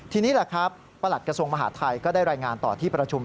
ทีนี้แหละครับประหลัดกระทรวงมหาทัยก็ได้รายงานต่อที่ประชุม